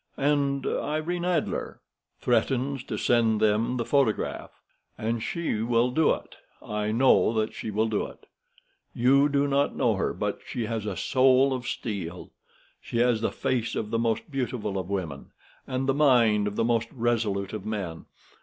"And Irene Adler?" "Threatens to send them the photograph. And she will do it. I know that she will do it. You do not know her, but she has a soul of steel. She has the face of the most beautiful of women and the mind of the most resolute of men.